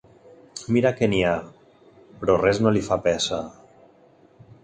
Mira que n'hi ha, però res no li fa peça.